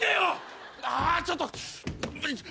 ちょっと！